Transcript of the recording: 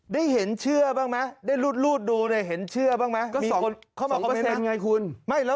ได้เห็นเชื่อบ้างมั้ยรูดดูได้เห็นเชื่อบ้างมั้ย